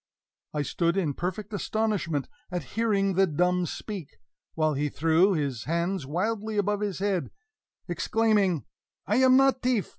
I stood in perfect astonishment at hearing the dumb speak; while he threw his arms wildly above his head, exclaiming: "I am not teaf!